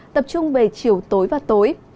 tập trung về chiều tối và tối